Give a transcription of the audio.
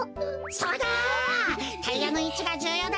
そうだ！